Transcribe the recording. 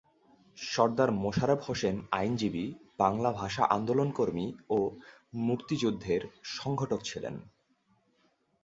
সরদার মোশারফ হোসেন আইনজীবী, বাংলা ভাষা আন্দোলন কর্মী ও মুক্তিযুদ্ধের সংগঠক ছিলেন।